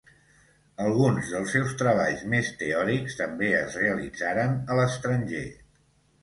Alguns dels seus treballs més teòrics també es realitzaren a l'estranger.